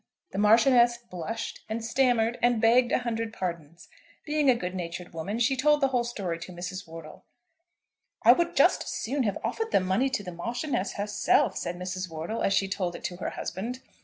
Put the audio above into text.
The Marchioness blushed, and stammered, and begged a hundred pardons. Being a good natured woman, she told the whole story to Mrs. Wortle. "I would just as soon have offered the money to the Marchioness herself," said Mrs. Wortle, as she told it to her husband.